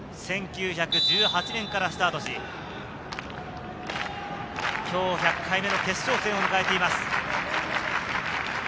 １９１８年からスタートし、今日１００回目の決勝戦を迎えています。